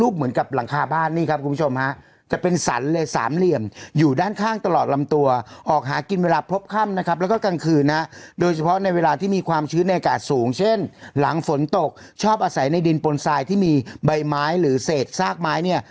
คือนะฮะโดยเฉพาะในเวลาที่มีความชืดในอากาศสูงเช่นหลังฝนตกชอบอาศัยในดินปลนไซค์ที่มีใบไม้หรือเศษซากไม้เนี่ย